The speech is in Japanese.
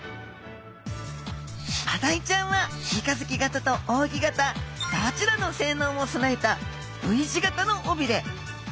マダイちゃんは三日月形と扇形どちらの性能も備えたＶ字形の尾びれ。